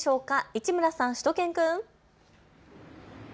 市村さん、しゅと犬くん。